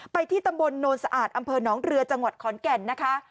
ที่ตำบลโนนสะอาดอำเภอหนองเรือจังหวัดขอนแก่นนะคะ